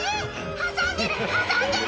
挟んでる挟んでるって！」